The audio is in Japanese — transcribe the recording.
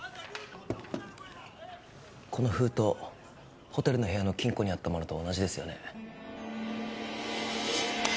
この封筒ホテルの部屋の金庫にあったものと同じですよね